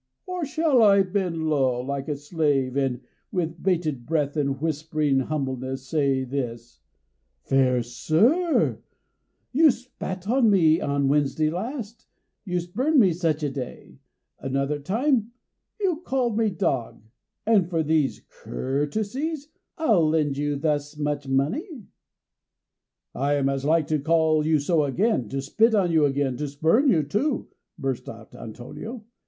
Or shall I bend low, like a slave, and, with bated breath and whispering humbleness, say this, 'Fair sir, you spat on me on Wednesday last; you spurned me such a day; another time you called me dog; and for these courtesies I'll lend you thus much money'?" [Illustration: "For these courtesies I'll lend you thus much money."] "I am as like to call you so again, to spit on you again, to spurn you, too," burst out Antonio.